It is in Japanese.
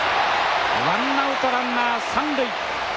ワンアウトランナー３塁。